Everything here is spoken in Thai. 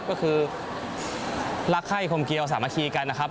ก็คือรักไข้คมเกียวสามัคคีกันนะครับ